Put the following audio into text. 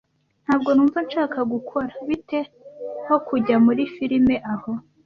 Ntabwo numva nshaka gukora. Bite ho kujya muri firime aho?